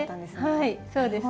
はいそうです。